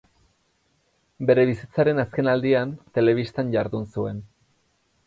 Bere bizitzaren azkenaldian telebistan jardun zuen.